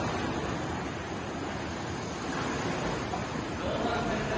露伴先生